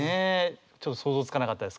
ちょっと想像つかなかったです